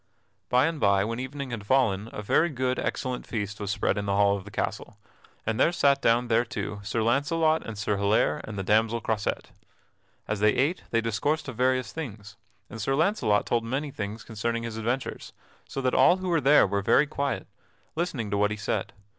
By and by, when evening had fallen, a very good, excellent feast was spread in the hall of the castle, and there sat down thereto Sir Launcelot and Sir Hilaire and the damsel Croisette. As they ate they discoursed of various things, and Sir Launcelot told many things concerning his adventures, so that all who were there were very quiet, listening to what he said.